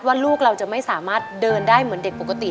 ลูกเราจะไม่สามารถเดินได้เหมือนเด็กปกติ